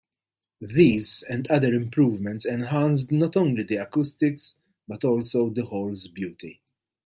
These and other improvements enhanced not only the acoustics but also the hall's beauty.